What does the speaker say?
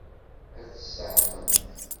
Ad tt-tseɛfemt?